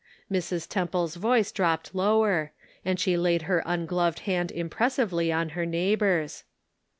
Mrs. Temple's voice dropped lower, and she laid her ungloved hand impressively on her neighbor's.